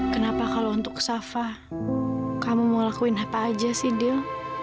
kenapa kalau untuk safa kamu mau lakuin apa aja sih deal